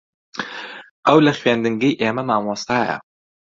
ئەو لە خوێندنگەی ئێمە مامۆستایە.